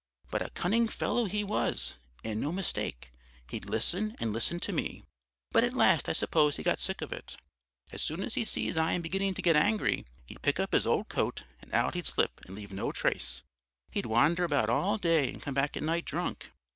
"But a cunning fellow he was, and no mistake. He'd listen and listen to me, but at last I suppose he got sick of it. As soon as he sees I am beginning to get angry, he'd pick up his old coat and out he'd slip and leave no trace. He'd wander about all day and come back at night drunk.